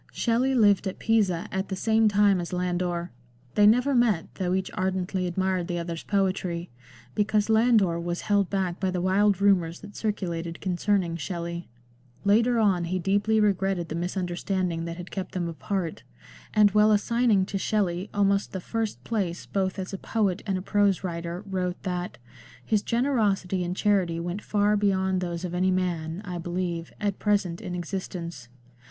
Shelley lived at Pisa at the same time as Landor ; they never met, though each ardently admired the other's poetry, because Landor was held back by the wild rumours that circulated concerning Shelley. Later on he deeply regretted the misunderstanding that had kept them apart, and while assigning to Shelley almost the first place both as a poet and a prose writer, wrote that " his generosity and charity went far beyond those of any man (I believe) at present in existence."